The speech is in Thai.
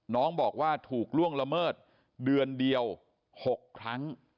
น้องบอกว่าถูกล่วงละเมิดเดือนเดียว๖ครั้ง